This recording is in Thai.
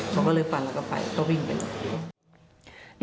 เขาก็เลยฟันแล้วก็ไปก็วิ่งไปเลย